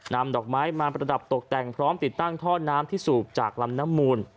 ดอกไม้มาประดับตกแต่งพร้อมติดตั้งท่อน้ำที่สูบจากลำน้ำมูล